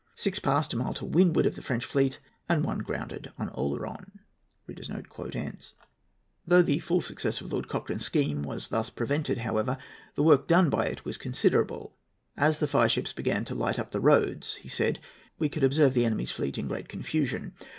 Six passed a mile to windward of the French fleet, and one grounded on Oleron." Though the full success of Lord Cochrane's scheme was thus prevented, however, the work done by it was considerable. "As the fireships began to light up the roads," he said, "we could observe the enemy's fleet in great confusion.